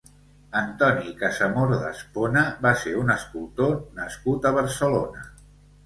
Antoni Casamor d'Espona va ser un escultor nascut a Barcelona.